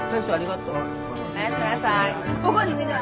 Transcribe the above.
おやすみなさい。